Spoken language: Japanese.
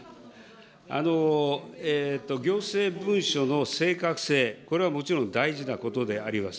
行政文書の正確性、これはもちろん大事なことであります。